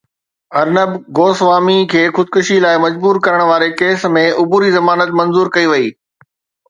ارنب گوسوامي کي خودڪشي لاءِ مجبور ڪرڻ واري ڪيس ۾ عبوري ضمانت منظور ڪئي وئي